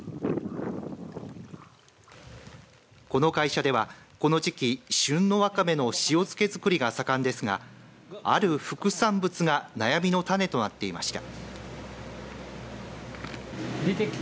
この会社では、この時期旬のわかめの塩漬け作りが盛んですがある副産物が悩みの種となっていました。